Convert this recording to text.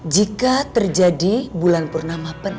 jika terjadi bulan bernama penuh